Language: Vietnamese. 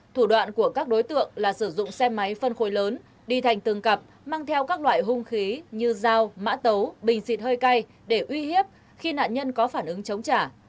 thủ đoạn của các đối tượng là sử dụng xe máy phân khối lớn đi thành từng cặp mang theo các loại hung khí như dao mã tấu bình xịt hơi cay để uy hiếp khi nạn nhân có phản ứng chống trả